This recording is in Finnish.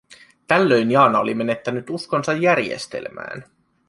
Tällöin Jaana oli menettänyt uskonsa järjestelmään.